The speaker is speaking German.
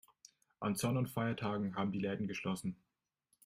An Sonn- und Feiertagen haben die Läden geschlossen.